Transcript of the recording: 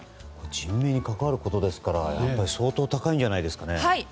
人命に関わることですから相当、高いんじゃないですかね。